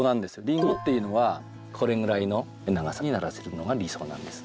リンゴっていうのはこれぐらいの長さにならせるのが理想なんです。